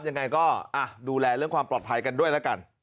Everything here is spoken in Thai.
ยังไงก็ดูแลเรื่องความปลอดภัยกันด้วยแล้วกัน